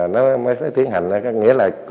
nó mới tiến hành